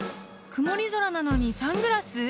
曇り空なのにサングラス？］